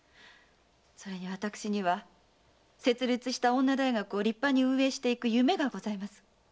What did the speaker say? それに私には設立した女大学を立派に運営していく夢がございます。